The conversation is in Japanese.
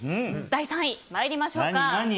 第３位参りましょうか。